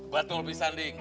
batu lebih sanding